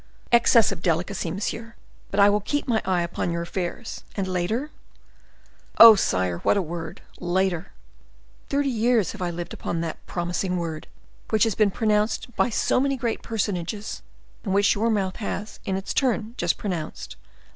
"Excess of delicacy, monsieur; but I will keep my eye upon your affairs, and later—" "Oh, sire! what a word!—later! Thirty years have I lived upon that promising word, which has been pronounced by so many great personages, and which your mouth has, in its turn, just pronounced.